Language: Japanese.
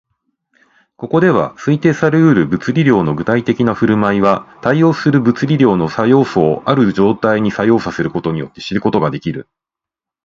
ここでは、測定され得る物理量の具体的な振る舞いは、対応する物理量の作用素をある状態に作用させることによって知ることができる